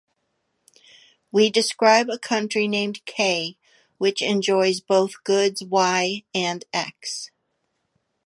We describe a Country named K which enjoys both goods Y and X.